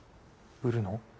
売るの？